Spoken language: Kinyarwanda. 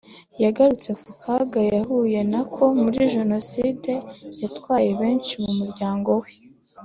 yagarutse ku kaga yahuye nako muri Jenoside yatwaye benshi mu muryango we